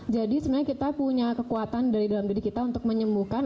jadi sebenarnya kita punya kekuatan dari dalam diri kita untuk menyembuhkan